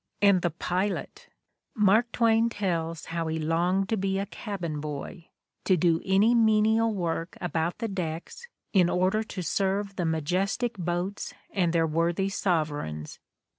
And the pilot ! Mark Twain tells how he longed to be a cabin boy, to do any menial work about the decks in order to serve the majestic boats and their worthy sovereigns.